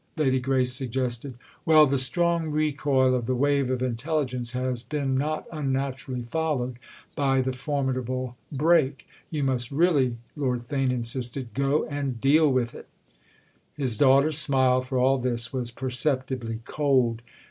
Lady Grace suggested. "Well, the strong recoil of the wave of intelligence has been not unnaturally followed by the formidable break. You must really," Lord Theign insisted, "go and deal with it." His daughter's smile, for all this, was perceptibly cold.